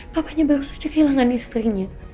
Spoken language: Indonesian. papanya baru saja kehilangan istrinya